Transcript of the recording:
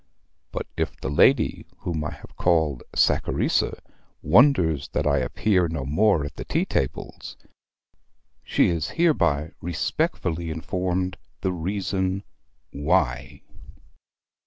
But if the lady, whom I have called Saccharissa, wonders that I appear no more at the tea tables, she is hereby respectfully informed the reason Y."